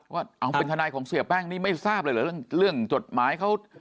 ว่าเป็นฐเสียแป้งนั้นไม่ทราบฟังใส่เกี่ยวกับเรื่องโจทย์ไม้